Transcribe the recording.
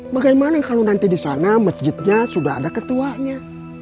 bagaimana kalau nanti di sana masjidnya sudah ada ketuanya